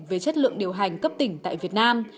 về chất lượng điều hành cấp tỉnh tại việt nam